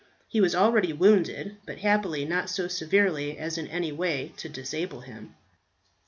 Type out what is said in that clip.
He was already wounded, but happily not so severely as in any way to disable him.